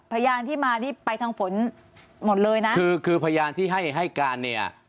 พยานที่มานี่ไปทางฝนหมดเลยนะคือคือพยานที่ให้ให้การเนี่ย